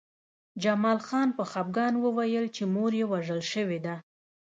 جمال خان په خپګان وویل چې مور یې وژل شوې ده